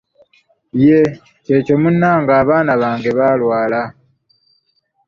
Yee kyekyo munnange, abaana bange baalwala!